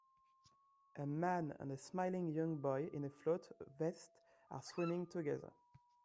A man and a smiling young boy in a float vest are swimming together